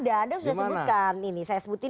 ada anda sudah sebutkan